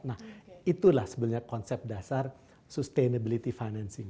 nah itulah sebenarnya konsep dasar sustainability financing